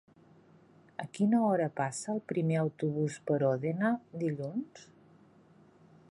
A quina hora passa el primer autobús per Òdena dilluns?